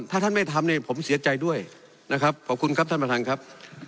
ถ้าท่านไม่ทำเนี่ยผมเสียใจด้วยนะครับขอบคุณครับท่านประธานครับ